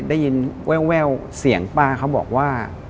แววเสียงป้าเขาบอกว่า